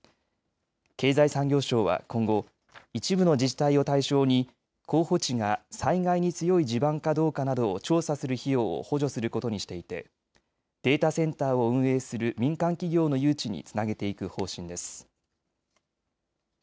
経済産業省は今後、一部の自治体を対象に候補地が災害に強い地盤かどうかなどを調査する費用を補助することにしていてデータセンターを運営する民間企業の誘致につなげていく方針です。